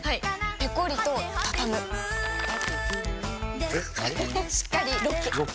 ペコリ！とたたむしっかりロック！